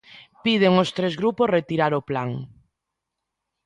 Piden os tres grupos retirar o plan.